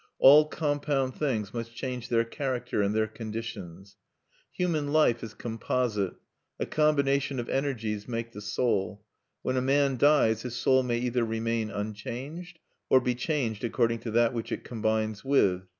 All compound things must change their character and their conditions." "Human life is composite. A combination of energies make the soul. When a man dies his soul may either remain unchanged, or be changed according to that which it combines with.